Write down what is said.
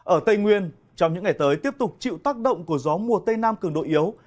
ở tây nguyên trong những ngày tới tiếp tục chịu tác động của gió mùa tây nam cường độ yếu